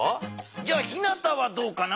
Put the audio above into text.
じゃあひなたはどうかな？